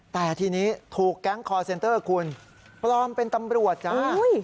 แต่ทีนี้ถูกแก๊งคอร์เซ็นเตอร์คุณปลอมเป็นตำรวจจ้า